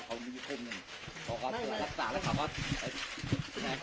คนในสายเดียวกันที่พรื่อในเรื่องพวกเนี้ย